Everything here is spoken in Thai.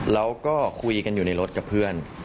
แล้วก็คุยกันอยู่ในรถกับเพื่อน